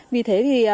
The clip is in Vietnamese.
vì thế thì